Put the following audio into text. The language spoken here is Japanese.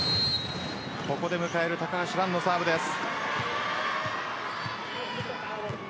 ここで迎える高橋藍のサーブです。